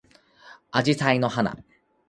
あじさいの花